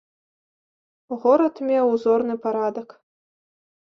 Горад меў узорны парадак.